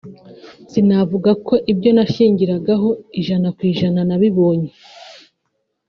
“Sinavuga ko ibyo nashingiragaho ijana ku ijana nabibonye